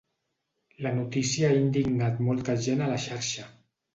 La notícia ha indignat molta gent a la xarxa.